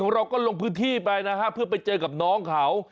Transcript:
เราก็ลงพื้นที่ไปนะฮะเพื่อไปเจอกับน้องเขา